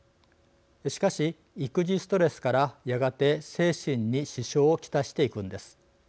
しかし、育児ストレスからやがて精神に支障を来していくんです。